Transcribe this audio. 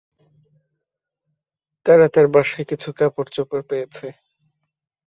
তারা তার বাসায় কিছু কাপড়-চোপড় পেয়েছে।